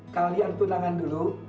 kalian tunangan dulu